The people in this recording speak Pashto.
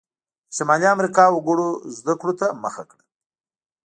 د شمالي امریکا وګړو زده کړو ته مخه کړه.